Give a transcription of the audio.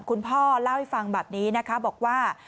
คุณพ่อเล่าให้ฟังแบบนี้นะคะบอกว่า